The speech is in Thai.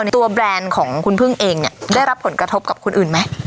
ตัวแบรนด์ของคุณพึ่งเองได้รับผลกระทบกับคุณอื่นไหม